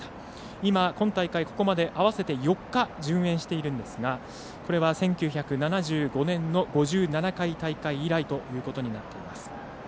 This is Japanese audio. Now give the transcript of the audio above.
今、今大会ここまで合わせて４日順延しているんですがこれは１９７５年の５７回大会以来ということになっています。